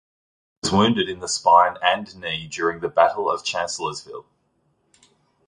He was wounded in the spine and knee during the Battle of Chancellorsville.